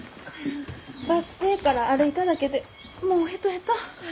バス停から歩いただけでもうヘトヘト。